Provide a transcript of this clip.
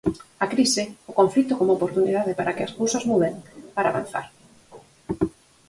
A crise, o conflito como oportunidade para que as cousas muden, para avanzar.